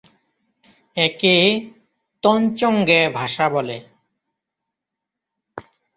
একে তঞ্চঙ্গ্যা ভাষা বলে।